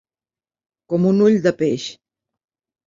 Com un ull de peix.